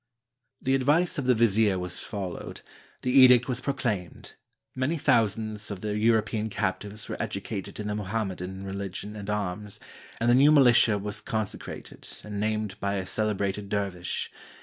] "The advice of the vizier was followed; the edict was proclaimed; many thousands of the European captives were educated in the Mohammedan religion and arms, and the new militia was consecrated and named by a celebrated dervish.